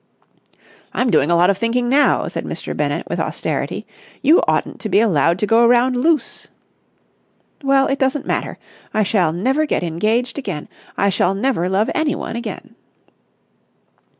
"I'm doing a lot of thinking now," said Mr. Bennett with austerity. "You oughtn't to be allowed to go around loose!" "Well, it doesn't matter. I shall never get engaged again. I shall never love anyone again."